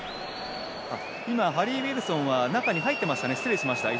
ハリー・ウィルソンは中に入っていましたね。